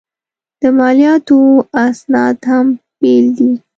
د مالیاتو اسناد هم بېل دي.